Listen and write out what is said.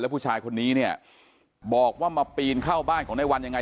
ผู้ชายคนนี้เนี่ยบอกว่ามาปีนเข้าบ้านของในวันยังไง